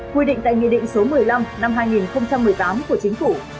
quy định tại nghị định số một mươi năm năm hai nghìn một mươi tám của chính phủ